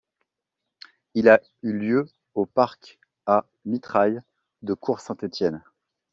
Il a eu lieu au Parc à Mitrailles de Court-St-Étienne.